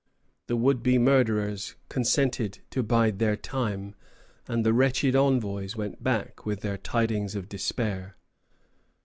The would be murderers consented to bide their time, and the wretched envoys went back with their tidings of despair.